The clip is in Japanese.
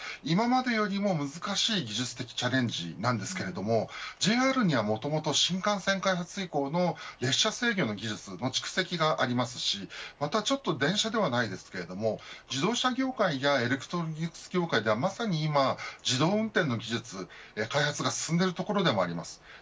今までよりも難しい技術的チャレンジなんですがＪＲにはもともと新幹線開発以降の列車制御の技術の蓄積がありますしまた、電車ではないですが自動車業界やエレクトロニクス業界ではまさに自動運転の技術、開発が進んでいるところでもあります。